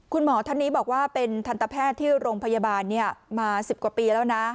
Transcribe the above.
คุณหมอท่านนี้บอกว่าเป็นทันตแพทย์ที่โรงพยาบาลมา๑๐กว่าปีแล้วนะ